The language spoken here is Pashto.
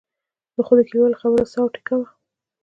خو د کلیوالو خبره ساه او ټیکا وم.